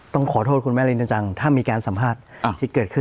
ต้องขอโทษคุณแม่รินจังถ้ามีการสัมภาษณ์ที่เกิดขึ้น